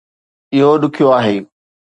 اهو ڏکيو آهي